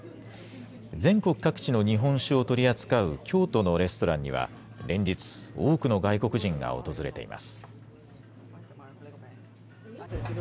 全国各地の日本酒を取り扱う京都のレストランには、連日、多くの外国人が訪れています。